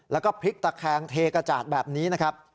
แล้วก็พลิกตะแคงเทกระจาดแบบนี้นะครับ